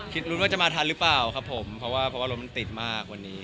คิดลุ้นว่าจะมาทันหรือเปล่าครับผมเพราะว่าโรงมันติดมากวันนี้